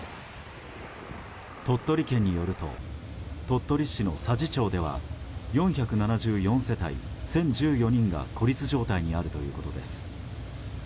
鳥取県によると鳥取市の佐治町では４７４世帯１０１４人が孤立状態にあるということです。